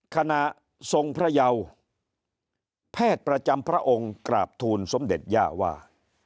ขณะทรงพระเยาแพทย์ประจำพระองค์กราบทูลสมเด็จย่าว่า